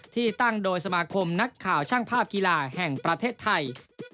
ที่ตั้งโดยสมาคมนักข่าวช่างภาพกีฬาแห่งประเทศไทย